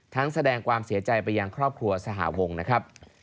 แสดงความเสียใจไปยังครอบครัวสหวงนะครับ